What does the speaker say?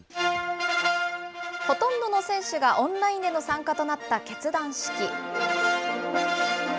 ほとんどの選手がオンラインでの参加となった結団式。